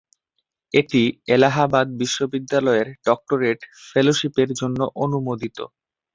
এটি এলাহাবাদ বিশ্ববিদ্যালয়ের ডক্টরেট ফেলোশিপের জন্য অনুমোদিত।